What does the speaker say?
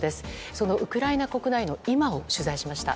そのウクライナ国内の今を取材しました。